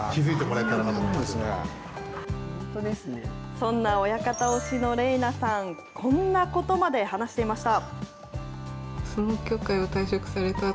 そんな親方推しの伶奈さん、こんなことまで話していました。